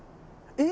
えっ。